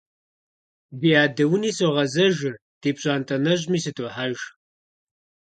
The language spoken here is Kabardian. Ди адэ уни согъэзэжыр, ди пщӀантӀэ нэщӀми сыдохьэж.